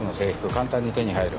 簡単に手に入る？